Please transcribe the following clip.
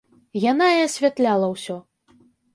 Яна і асвятляла ўсё.